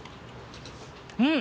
うん！